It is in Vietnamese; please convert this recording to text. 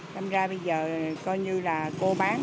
làm ra bây giờ coi như là cô bán